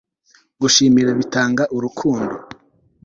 gushimira bitanga urukundo